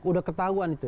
udah ketahuan itu